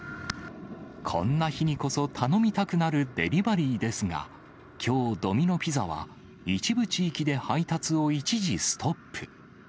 こんな日にこそ頼みたくなるデリバリーですが、きょう、ドミノ・ピザは一部地域で配達を一時ストップ。